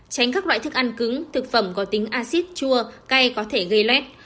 tránh các loại thức ăn cứng thực phẩm có tính acid chua cay có thể gây lét